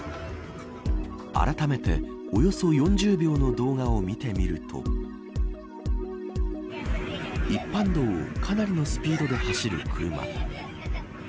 あらためておよそ４０秒の動画を見てみると一般道をかなりのスピードで走る車。